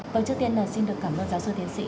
vâng trước tiên là xin được cảm ơn giáo sư tiến sĩ